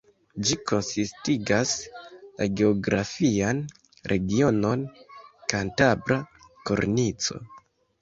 Ĝi konsistigas la geografian regionon Kantabra Kornico.